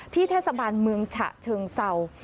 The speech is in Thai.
เทศบาลเมืองฉะเชิงเศร้า